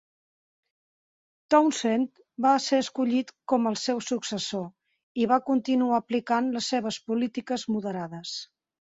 Townsend va ser escollit con el seu successor i va continuar aplicant les seves polítiques moderades.